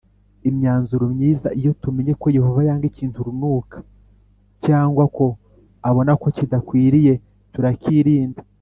imyanzuro myiza Iyo tumenye ko Yehova yanga ikintu runaka cyangwa ko abona ko kidakwiriye turakirinda